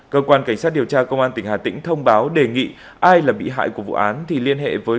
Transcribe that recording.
cơ quan cảnh sát điều tra công an tỉnh hà tĩnh thông báo đề nghị ai là bị hại của vụ án thì liên hệ với